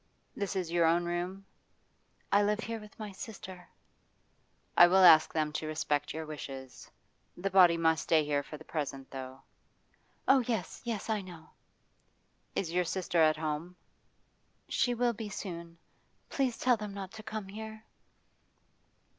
'This is your own room?' 'I live here with my sister.' 'I will ask them to respect your wish. The body must stay here for the present, though.' 'Oh yes, yes, I know.' 'Is your sister at home?' 'She will be soon. Please tell them not to come here.